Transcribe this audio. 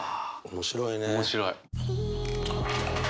面白い。